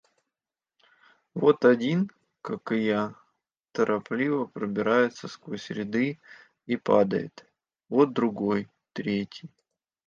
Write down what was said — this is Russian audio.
Вот один, как и я, торопливо пробирается сквозь ряды и падает; вот другой, третий.